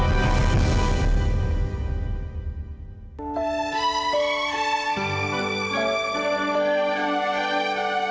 dia tuh siapa